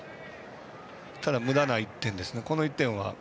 ただ、むだな１点ですね。